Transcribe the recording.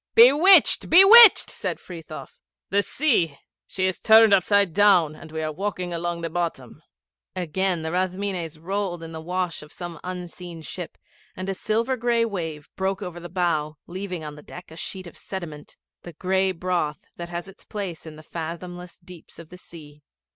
'Bewitched! Bewitched!' said Frithiof. 'The sea she is turned upside down, and we are walking along the bottom.' Again the Rathmines rolled in the wash of some unseen ship, and a silver gray wave broke over the bow, leaving on the deck a sheet of sediment the gray broth that has its place in the fathomless deeps of the sea.